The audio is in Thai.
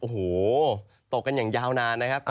โอ้โหตกกันอย่างยาวนานนะครับ